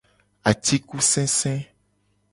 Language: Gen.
Atikusese.